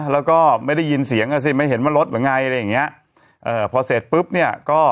แล้วก็ไม่ได้ยินเสียงไม่ได้เห็นว่ารถยังไงพอเสร็จปุ๊บเนี่ย